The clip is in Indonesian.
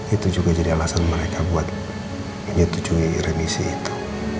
itu juga jadi alasan mereka buat menyetujui remisi itu